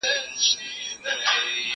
دا ترتيب له هغه ګټور دی!.